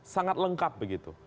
sangat lengkap begitu